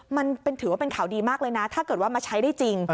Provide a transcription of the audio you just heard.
มันถือว่าเป็นข่าวดีมากเลยนะถ้าเกิดว่ามาใช้ได้จริง